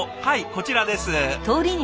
はいこちらです。